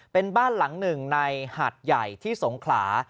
เป็นบ้านหลังหนึ่งในหาดใหญ่ที่สงขลา